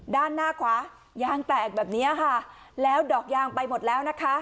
ด้านหน้าขวายางแตกแบบเนี้ยค่ะแล้วดอกยางไปหมดแล้วนะคะ